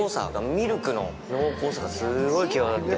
ミルクの濃厚さが、すごい際立って。